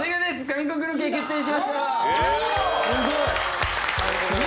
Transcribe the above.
韓国ロケ決定しました。